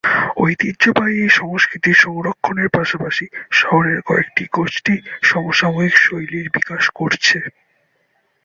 ঐতিহ্যবাহী এই সংস্কৃতি সংরক্ষণের পাশাপাশি, শহরের কয়েকটি গোষ্ঠী সমসাময়িক শৈলীর বিকাশ করছে।